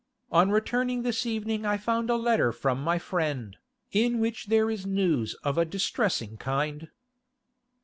On returning this evening I found a letter from my friend, in which there is news of a distressing kind.